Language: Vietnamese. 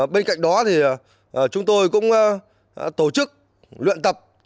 bên cạnh đó thì chúng tôi cũng tổ chức luyện tập